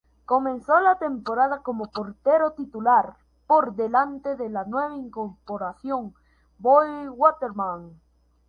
Comenzó la temporada como portero titular, por delante de la nueva incorporación, Boy Waterman.